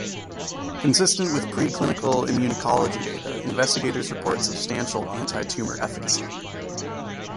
Consistent with preclinical immunoncology data, investigators report substantial anti-tumor efficacy.